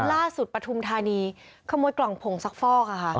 ปฐุมธานีขโมยกล่องผงซักฟอกค่ะ